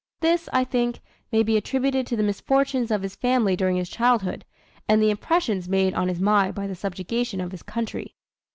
This, I think, may be attributed to the misfortunes of his family during his childhood, and the impressions made on his mind by the subjugation of his country."